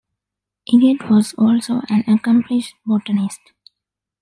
Egede was also an accomplished botanist.